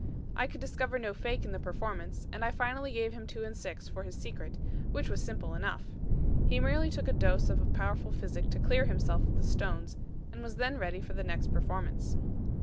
I could discover no fake in the performance, and I finally gave him two and six for his secret, which was simple enough. He merely took a dose of powerful physic to clear himself of the stones, and was then ready for the next performance.